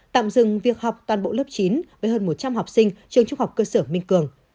tạm dừng việc học toàn bộ lớp chín với hơn một trăm linh học sinh trường trung học cơ sở minh cường